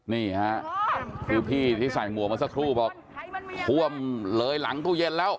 นี่ค่ะคือพี่ที่ใส่หมวกมาสักครู่บอกท่วมเลยหลังตู้เย็นแล้ว